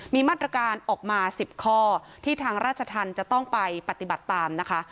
มีมาตรการออกมา๑๐ข้อที่ทางราชธรรมจะต้องไปปฏิบัติตามนะคะ